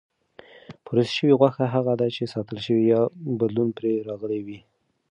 پروسس شوې غوښه هغه ده چې ساتل شوې یا بدلون پرې راغلی وي.